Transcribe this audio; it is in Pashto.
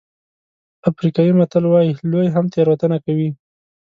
افریقایي متل وایي لوی هم تېروتنه کوي.